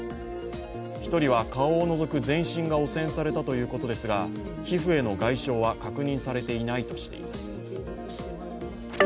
１人は顔を除く全身が汚染されたということですが皮膚への外傷は確認されていないとしています